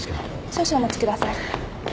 少々お待ちください。